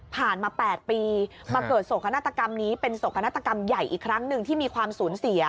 ผ่านมา๘ปีมาเกิดโศกนาฏกรรมนี้เป็นโศกนาฏกรรมใหญ่อีกครั้งหนึ่งที่มีความสูญเสีย